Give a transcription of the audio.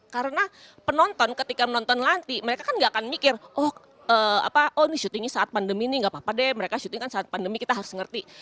karena penonton ketika menonton nanti mereka kan gak akan mikir oh ini shootingnya saat pandemi ini gak apa apa deh mereka shooting kan saat pandemi kita harus mengerti